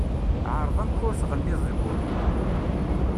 Ԑreḍ amek ur tɣelliḍ deg ul-iw.